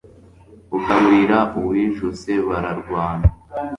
ugaburira uwijuse bararwana